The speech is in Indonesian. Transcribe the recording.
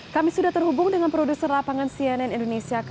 kami sudah terhubung dengan produser lapangan cnn indonesia